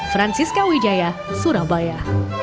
francisca wijaya surabaya